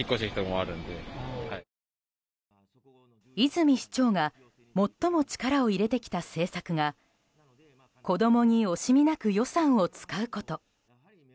泉市長が最も力を入れてきた政策が子供に惜しみなく予算を使うこと。